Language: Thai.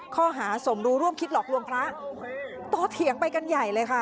ข้อหาสมรูปคิดหลอกร่วงพระ